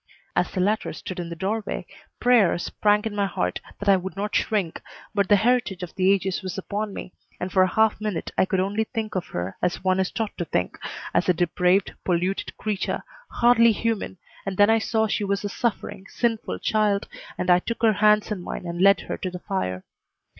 As the latter stood in the doorway prayer sprang in my heart that I would not shrink, but the heritage of the ages was upon me, and for a half minute I could only think of her as one is taught to think as a depraved, polluted creature, hardly human, and then I saw she was a suffering, sinful child, and I took her hands in mine and led her to the fire.